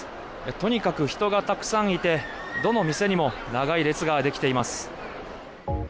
とにかく人がたくさんいて、どの店にも長い列ができています。